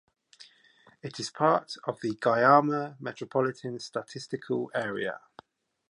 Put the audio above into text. It is part of the Guayama Metropolitan Statistical Area.